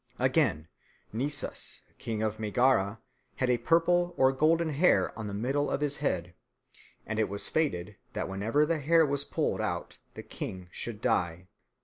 Again, Nisus King of Megara had a purple or golden hair on the middle of his head, and it was fated that whenever the hair was pulled out the king should die.